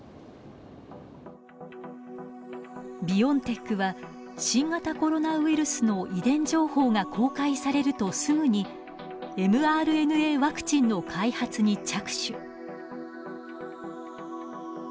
ビオンテックは新型コロナウイルスの遺伝情報が公開されるとすぐにｍＲＮＡワクチンの開発に着手。